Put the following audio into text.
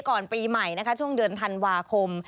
ก่อนปีใหม่ช่วงเดือนทำวาคม